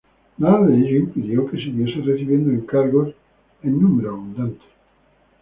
Nada de ello impidió que siguiese recibiendo encargos en número abundante.